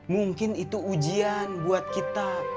mungkin itu ujian buat kita